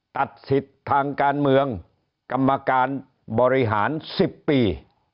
ตัดสิทธิ์ทางการเมืองกรรมการบริหาร๑๐ปี